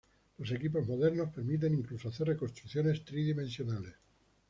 Los equipos modernos permiten incluso hacer reconstrucciones tridimensionales.